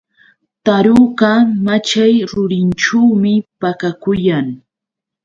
Taruka machay rurinćhuumi pakakuyan.